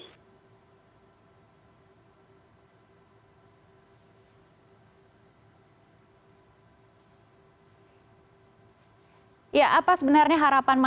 nanti kita yang nanti ya ketika prinsip prinsip pato dari coba coba